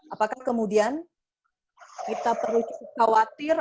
apakah kemudian kita perlu khawatir